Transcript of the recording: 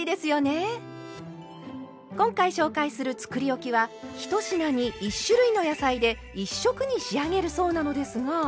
今回紹介するつくりおきは１品に１種類の野菜で１色に仕上げるそうなのですが。